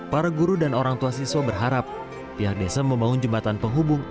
para guru dan orang tua siswa berharap pihak desa membangun jembatan penghubung